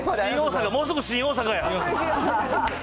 もうすぐ新大阪や。